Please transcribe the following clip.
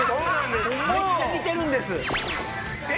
めっちゃ似てるんです。